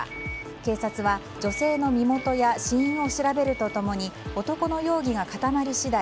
警察は女性の身元や死因を調べると共に男の容疑が固まり次第